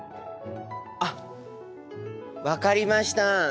あっ分かりました！